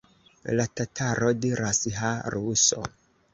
La tataro diras: Ha, ruso!